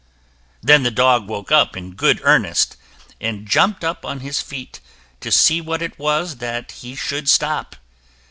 Then the dog woke up in good earnest, and jumped up on his feet to see what it was that he should stop.